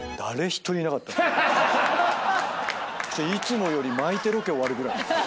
いつもより巻いてロケ終わるぐらい。